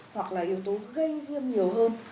hoặc là yếu tố gây viêm nhiều hơn